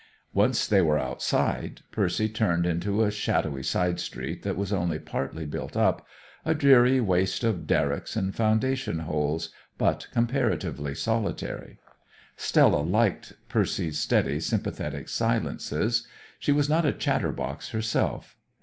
Once they were outside, Percy turned into a shadowy side street that was only partly built up, a dreary waste of derricks and foundation holes, but comparatively solitary. Stella liked Percy's steady, sympathetic silences; she was not a chatterbox herself.